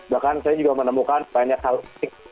bahkan saya juga menemukan banyak hal